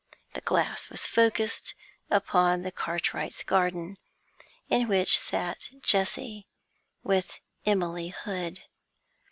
The glass was focussed upon the Cartwrights' garden, in which sat Jessie with Emily Hood.